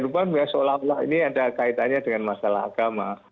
lupa lupa ya seolah olah ini ada kaitannya dengan masalah agama